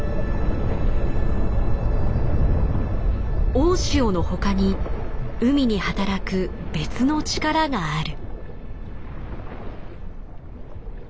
大潮の他に海にはたらく別の力がある。